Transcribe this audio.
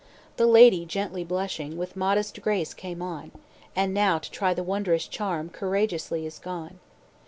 "The lady, gently blushing, With modest grace came on; And now to try the wondrous charm Courageously is gone.